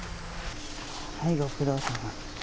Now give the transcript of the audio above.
はい、ご苦労さま。